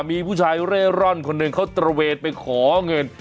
มีผู้ชายเร่ร่อนคนหนึ่งเขาตระเวนไปขอเงิน